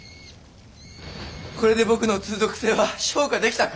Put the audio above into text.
これで僕の通俗性は昇華できたか？